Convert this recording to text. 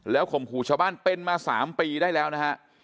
ข่มขู่ชาวบ้านเป็นมา๓ปีได้แล้วนะฮะ